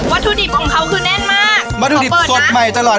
ถุดิบของเขาคือแน่นมากวัตถุดิบสดใหม่ตลอด